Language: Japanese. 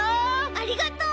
ありがとう！